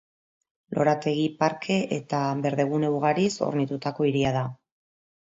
Lorategi, parke eta berdegune ugariz hornitutako hiria da.